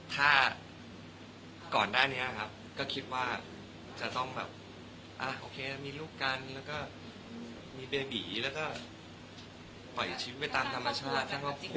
ถ้าก่อนหน้านี้ครับก็คิดว่าจะต้องแบบโอเคมีลูกกันแล้วก็มีเบบีแล้วก็ปล่อยชีวิตไปตามธรรมชาติ